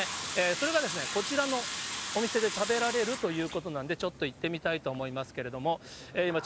それがこちらのお店で食べられるということなんで、ちょっと行ってみたいと思いますけれども。